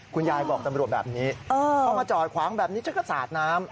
คุณยายบอกตำรวจแบบนี้พอมาจอดขวางแบบนี้ฉันก็สาดน้ำ